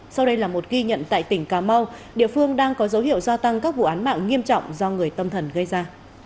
sau đây là một ghi nhận tại tỉnh cà mau địa phương đang có dấu hiệu gia tăng các vụ án mạng nghiêm trọng do người tâm thần gây ra